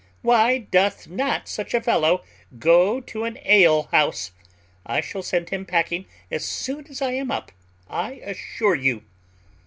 Why doth not such a fellow go to an alehouse? I shall send him packing as soon as I am up, I assure you."